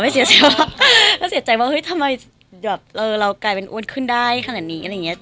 ไม่เสียใจว่าทำไมเรากลายเป็นอ้วนขึ้นได้ขนาดนี้